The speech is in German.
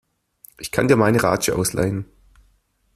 Ich kann dir meine Ratsche ausleihen.